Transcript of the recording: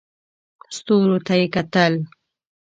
ستورو ته یې کتل.